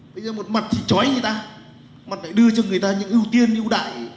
bây giờ một mặt thì trói người ta mặt này đưa cho người ta những ưu tiên ưu đại